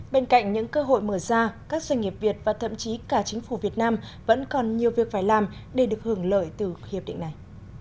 bên cạnh những cơ hội mở ra các doanh nghiệp việt và thậm chí cả chính phủ việt nam vẫn còn nhiều việc phải làm để được hưởng lợi từ hiệp định này